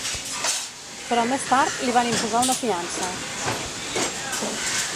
Però més tard li van imposar una fiança.